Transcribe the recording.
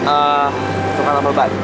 eh tempatan depan